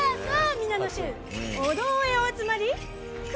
皆の衆お堂へお集まり空